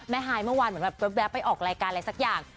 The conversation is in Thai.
แม่ฮายเมื่อวานแบบแบบไปออกรายการอะไรสักอย่าง